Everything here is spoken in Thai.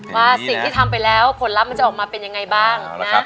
ว่าสิ่งที่ทำไปแล้วผลลัพธ์มันจะออกมาเป็นยังไงบ้างนะ